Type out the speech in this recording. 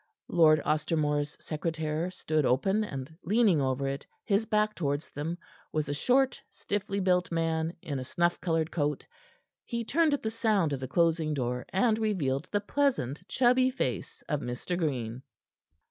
Lord Ostermore's secretaire stood open, and leaning over it, his back towards them was a short, stiffly built man in a snuff colored coat. He turned at the sound of the closing door, and revealed the pleasant, chubby face of Mr. Green.